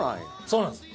そうなんです。